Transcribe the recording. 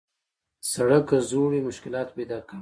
سړک که زوړ وي، مشکلات پیدا کوي.